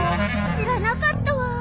知らなかったわ。